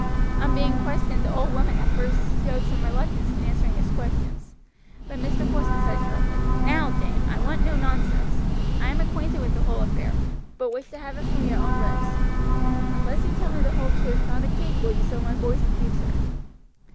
On being questioned the old woman at first showed some reluctance in answering his questions, but Mr. Porson said sharply: "Now, dame, I want no nonsense; I am acquainted with the whole affair, but wish to have it from your own lips. Unless you tell me the whole truth not a cake will you sell my boys in future."